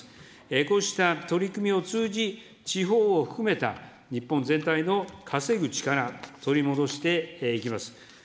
こうした取り組みを通じ、地方を含めた日本全体の稼ぐ力を取り戻していきます。